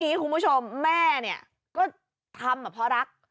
ทีนี้คุณผู้ชมแม่เนี่ยก็ทำอ่ะเพราะรัก